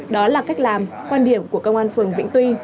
đó là cách làm quan điểm của công an phường vĩnh tuy